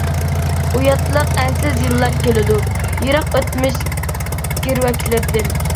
ئۇياتلىق ئەنسىز يىللار كېلىدۇ، يىراق ئۆتمۈش گىرۋەكلىرىدىن.